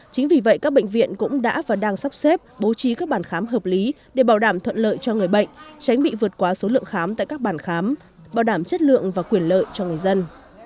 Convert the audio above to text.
chính vì vậy các bệnh viện cũng đã và đang sắp xếp bố trí các bàn khám hợp lý để bảo đảm thuận lợi cho người bệnh tránh bị vượt quá số lượng khám tại các bàn khám bảo đảm chất lượng và quyền lợi cho người dân